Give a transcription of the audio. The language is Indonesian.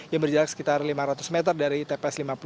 yang berjarak sekitar lima ratus meter dari tps lima puluh